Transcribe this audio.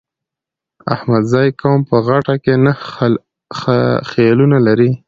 احمدزی قوم په غټه کې نهه خيلونه لري.